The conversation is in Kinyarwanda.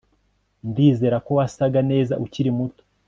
Ndizera ko wasaga neza ukiri muto